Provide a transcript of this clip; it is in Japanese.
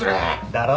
だろ！